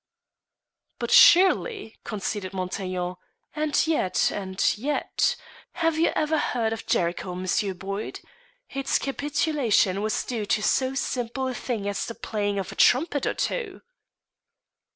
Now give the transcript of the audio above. "But surely," conceded Montaiglon, "and yet, and yet have you ever heard of Jericho, M. Boyd? Its capitulation was due to so simple a thing as the playing of a trumpet or two."